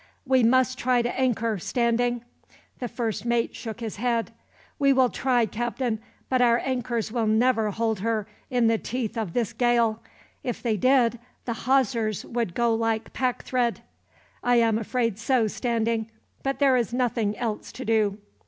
"We must try to anchor, Standing." The first mate shook his head. "We will try, Captain, but our anchors will never hold her in the teeth of this gale. If they did, the hawsers would go like pack thread." "I am afraid so, Standing; but there is nothing else to do."